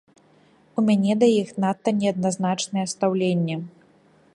У мяне да іх надта неадназначнае стаўленне.